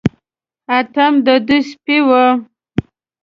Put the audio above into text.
اتم د دوی سپی و.